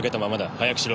早くしろ。